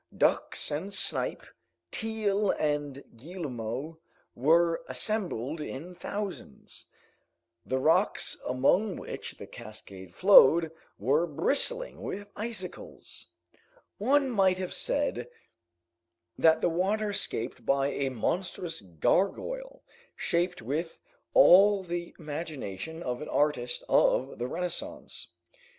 Ducks and snipe, teal and guillemots were assembled in thousands. The rocks among which the cascade flowed were bristling with icicles. One might have said that the water escaped by a monstrous gargoyle, shaped with all the imagination of an artist of the Renaissance.